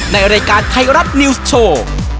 ในรายการไทยรัฐนิวส์โชว์